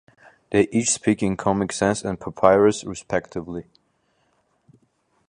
They each speak in Comic Sans and Papyrus, respectively.